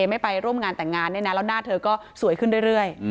ไม่ไปร่วมงานแต่งงานเนี่ยนะแล้วหน้าเธอก็สวยขึ้นเรื่อย